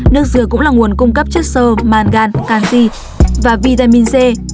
nước dừa cũng là nguồn cung cấp chất sâu mangan canxi và vitamin c